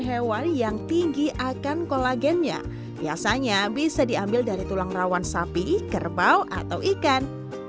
hewan yang tinggi akan kolagennya biasanya bisa diambil dari tulang rawan sapi kerbau atau ikan